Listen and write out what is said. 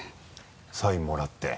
サインもらって。